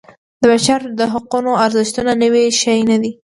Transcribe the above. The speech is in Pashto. د بشر د حقونو ارزښتونه نوی شی نه دی.